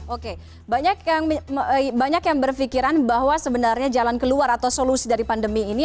oke banyak yang berpikiran bahwa sebenarnya jalan keluar atau solusi dari pandemi ini